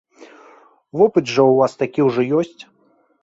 Вопыт жа ў вас такі ўжо ёсць.